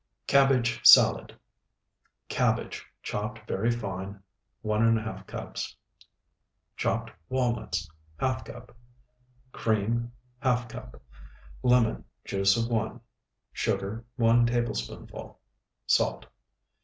CABBAGE SALAD Cabbage chopped very fine, 1½ cups. Chopped walnuts, ½ cup. Cream, ½ cup. Lemon, juice of 1. Sugar, 1 tablespoonful. Salt.